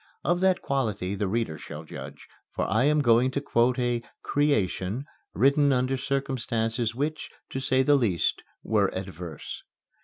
Of that quality the reader shall judge, for I am going to quote a "creation" written under circumstances which, to say the least, were adverse.